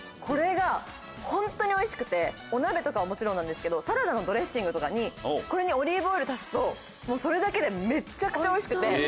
これがホントにおいしくてお鍋とかはもちろんなんですけど。とかにこれにオリーブオイル足すとそれだけでめっちゃくちゃおいしくて。